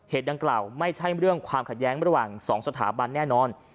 ดังกล่าวไม่ใช่เรื่องความขัดแย้งระหว่าง๒สถาบันแน่นอน